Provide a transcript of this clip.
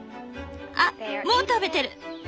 あっもう食べてる！